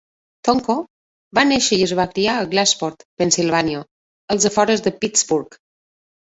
Tomko va néixer i es va criar a Glassport, Pennsilvània, als afores de Pittsburgh.